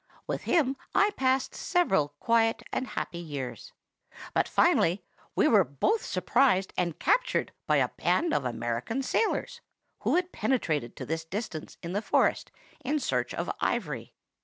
With him I passed several quiet and happy years; but finally we were both surprised and captured by a band of American sailors, who had penetrated to this distance in the forest in search of ivory.